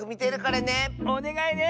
おねがいね。